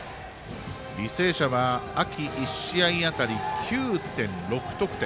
履正社は秋１試合あたり９．６得点。